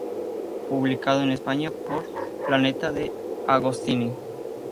Publicado en España por Planeta deAgostini.